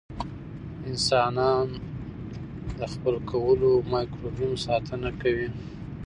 انسانان د خپل کولمو مایکروبیوم ساتنه کوي.